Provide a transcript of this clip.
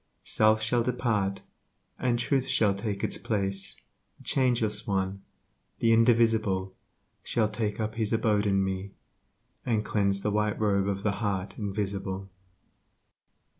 Self shall depart, and Truth shall take its place The Changeless One, the Indivisible Shall take up His abode in me, and cleanse The White Robe of the Heart Invisible.